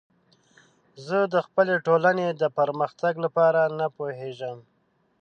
زه د خپلې ټولنې د پرمختګ لپاره نه پوهیږم.